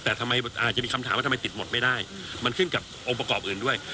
แต่ทำไมอาจจะมีคำถามว่าทำไมติดหมดไม่ได้มันขึ้นกับองค์ประกอบอื่นด้วย